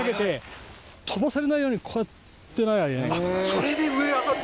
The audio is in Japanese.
それで上上がる。